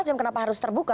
jom kenapa harus terbuka